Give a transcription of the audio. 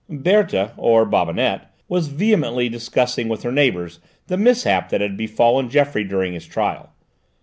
Berthe, or Bobinette, was vehemently discussing with her neighbours the mishap that had befallen Geoffroy during his trial.